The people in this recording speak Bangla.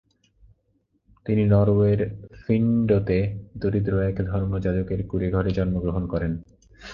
তিনি নরওয়ের ফিন্ডোতে দরিদ্র এক ধর্মযাজকের কুঁড়েঘরে জন্মগ্রহণ করেন।